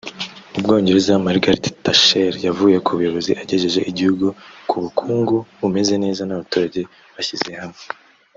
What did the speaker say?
Mu Bwongereza Margareth Thatcher yavuye ku buyobozi agejeje igihugu ku bukungu bumeze neza n’abaturage bashyize hamwe